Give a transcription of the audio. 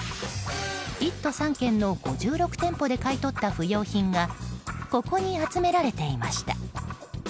１都３県の５６店舗で買い取った不用品がここに集められていました。